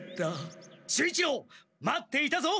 守一郎待っていたぞ！